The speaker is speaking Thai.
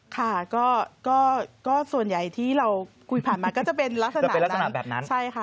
ค่ะก็ส่วนใหญ่ที่เราคุยผ่านมาก็จะเป็นลักษณะนั้นแบบนั้นใช่ค่ะ